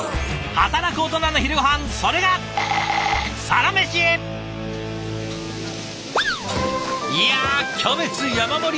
働くオトナの昼ごはんそれがいやキャベツ山盛り！